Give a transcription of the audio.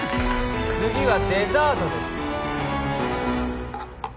次はデザートです